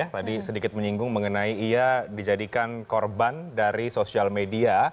tadi sedikit menyinggung mengenai ia dijadikan korban dari sosial media